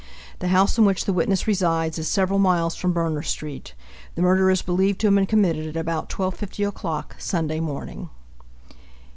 The house in which the witness resides is several miles from Berner street. The murder is believed to have been committed at about 12:50 o'clock Sunday morning.